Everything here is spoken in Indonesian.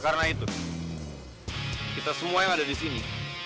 karena itu kita semua yang ada disini